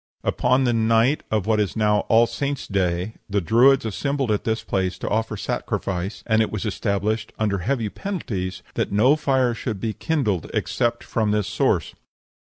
Upon the night of what is now All Saints day the Druids assembled at this place to offer sacrifice, and it was established, under heavy penalties, that no fire should be kindled except from this source.